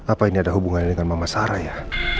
apa ini ada hubungannya dengan mama sarah ya